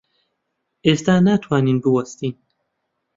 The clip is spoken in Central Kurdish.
ئێستا ناتوانین بوەستین.